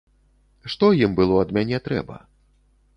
Што ім было ад мяне трэба?